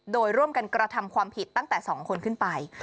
โดยร่วมกันกระทำความผิดตั้งแต่๒คนขึ้นไป